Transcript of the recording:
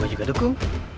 gue juga dukung